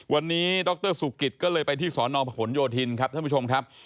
วันนี้ดรสุกิตก็เลยไปที่สอนอพหนโยธินครับท่านผู้ชมครับ